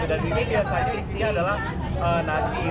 dan ini biasanya isinya adalah nasi